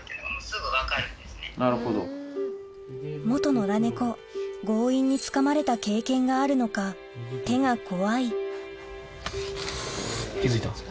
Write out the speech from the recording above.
野良猫強引につかまれた経験があるのか気付いた。